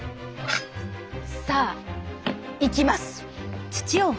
さあいきます！